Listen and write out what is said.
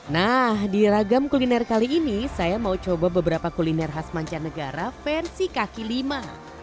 nah di ragam kuliner kali ini saya mau coba beberapa kuliner khas mancanegara versi kaki lima